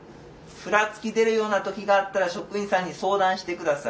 ふらつき出るような時があったら職員さんに相談して下さい。